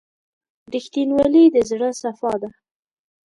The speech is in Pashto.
• رښتینولي د زړه صفا ده.